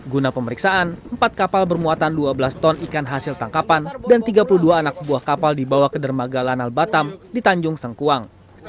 guna pemeriksaan empat kapal bermuatan dua belas ton ikan hasil tangkapan dan tiga puluh dua anak buah kapal dibawa ke dermaga lanal batam di tanjung sengkuang